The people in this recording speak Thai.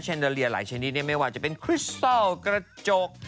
แชนเดอเรียหลายชนิดเนี่ยไม่ว่าจะเป็นคริสตัลกระจก